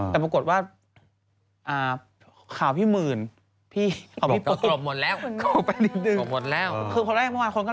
แต่ปรากฏว่าข่าวพี่หมื่น